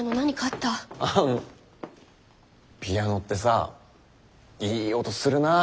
ピアノってさいい音するなあ！